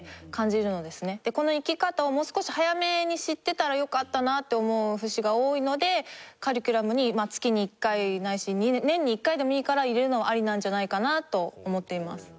この生き方をもう少し早めに知ってたらよかったなって思う節が多いのでカリキュラムに月に１回ないし年に１回でもいいから入れるのはありなんじゃないかなと思っています。